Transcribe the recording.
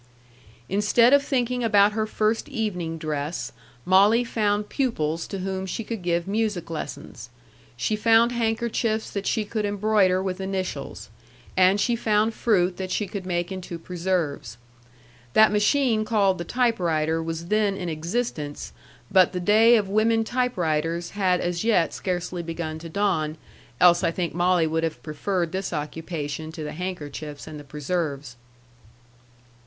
Instead of thinking about her first evening dress, Molly found pupils to whom she could give music lessons. She found handkerchiefs that she could embroider with initials. And she found fruit that she could make into preserves. That machine called the typewriter was then in existence, but the day of women typewriters had as yet scarcely begun to dawn, else I think Molly would have preferred this occupation to the handkerchiefs and the preserves.